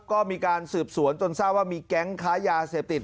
ก็มีการสืบสวนจนทราบว่ามีแก๊งค้ายาเสพติด